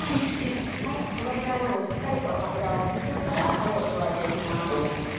このぐらいまでしっかりと脂を拭き取ったらタレを加えて行きます。